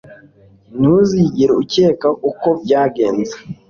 Ntuzigera ukeka uko byagenze